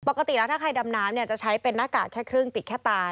ปกติแล้วถ้าใครดำน้ำเนี่ยจะใช้เป็นหน้ากากแค่ครึ่งติดแค่ตาย